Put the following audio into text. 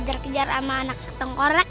yalah itu rumah kosong ya